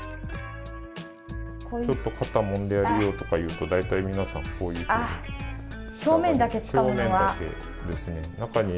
ちょっと肩もんでやるよとかいうと大体皆さん、こういうふうに。